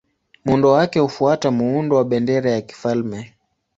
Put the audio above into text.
Muundo wake hufuata muundo wa bendera ya kifalme.